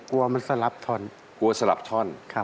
กลัวมันสลับถ่อน